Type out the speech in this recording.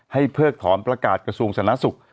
ให้เพิกถอนประกาศกระทรวงสนานสุข